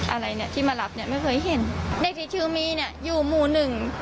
อะไรเนี่ยที่มารับเนี่ยไม่เคยเห็นเด็กที่ชื่อมีเนี่ยอยู่หมู่หนึ่ง